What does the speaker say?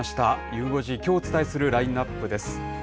ゆう５時、きょうお伝えするラインナップです。